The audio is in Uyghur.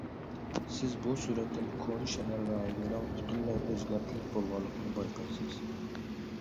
سىز بۇ سۈرەتتىن كونا شەھەر رايونىنىڭ پۈتۈنلەي ئۆزگەرتىلىپ بولغانلىقىنى بايقايسىز.